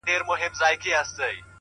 اوس لا ژاړې له آسمانه له قسمته!!